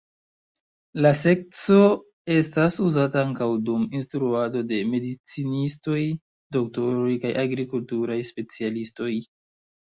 La sekco estas uzata ankaŭ dum instruado de medicinistoj, doktoroj kaj agrikulturaj specialistoj.